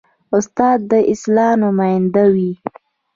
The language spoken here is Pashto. استاد د اصلاح نماینده وي.